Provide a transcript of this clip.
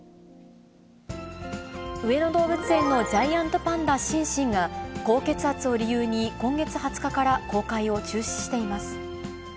上野動物園のジャイアントパンダ、シンシンが高血圧を理由に、今月２０日から公開を中止しています。